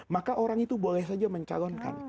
maka orang itu boleh saja mencalonkan